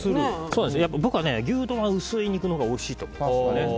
僕は、牛丼は薄い肉のほうがおいしいと思います。